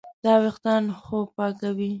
دا وېښتان هوا پاکوي.